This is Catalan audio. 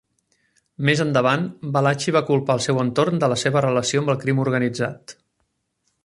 Més endavant, Valachi va culpar el seu entorn de la seva relació amb el crim organitzat.